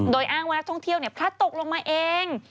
โดยอ้างว่านักท่องเที่ยวพลัดตกลงมาเอง